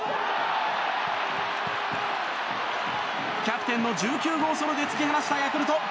キャプテンの１９号ソロで突き放したヤクルト。